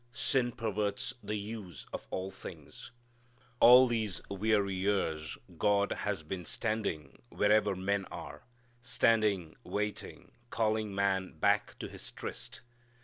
Sin perverts the use of all things. All these weary years God has been standing wherever men are: standing, waiting, calling man back to his tryst.